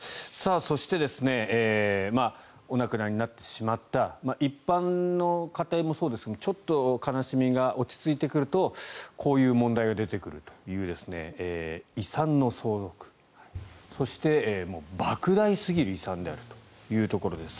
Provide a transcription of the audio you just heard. そしてお亡くなりになってしまった一般の家庭もそうですがちょっと悲しみが落ち着いてくるとこういう問題が出てくるという遺産の相続そして、ばく大すぎる遺産であるというところです。